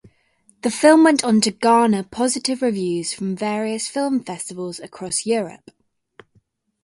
The film went on to garner positive reviews from various film festivals across Europe.